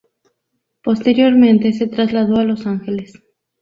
Posteriormente se trasladó a Los Ángeles.